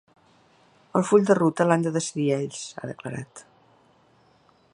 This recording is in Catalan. El full de ruta l’han de decidir ells, ha declarat.